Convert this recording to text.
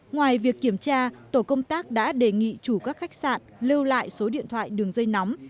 ngoài việc kiểm tra tổ công tác đã đề nghị chủ các khách sạn lưu lại số điện thoại đường dây nóng